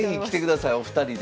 お二人で。